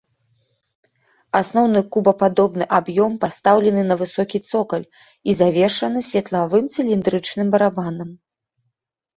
Асноўны кубападобны аб'ём пастаўлены на высокі цокаль і завершаны светлавым цыліндрычным барабанам.